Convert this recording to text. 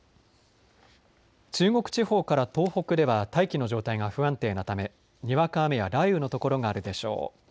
中国地方から東北では大気の状態が不安定なためにわか雨や雷雨の所があるでしょう。